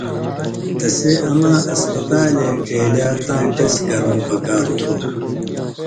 تسے اما ہسپتالے ڇېلیا تاں ٹېس کریؤں پکار تُھو۔